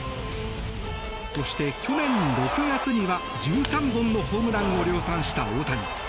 そして、去年６月には１３本のホームランを量産した大谷。